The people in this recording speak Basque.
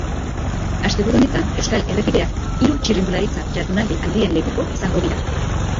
Asteburu honetan euskal errepideak hiru txirrindularitza jardunaldi handien lekuko izango dira.